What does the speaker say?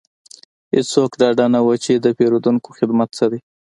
هیڅوک ډاډه نه وو چې د پیرودونکو خدمت څه دی